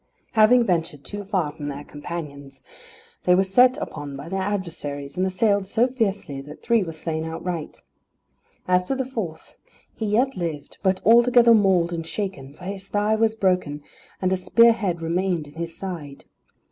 Having ventured too far from their companions, they were set upon by their adversaries, and assailed so fiercely that three were slain outright. As to the fourth he yet lived, but altogether mauled and shaken, for his thigh was broken, and a spear head remained in his side.